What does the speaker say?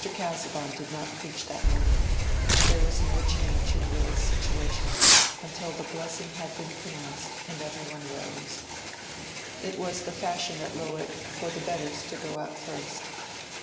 Casaubon did not preach that morning, and there was no change in Will's situation until the blessing had been pronounced and every one rose. It was the fashion at Lowick for "the betters" to go out first.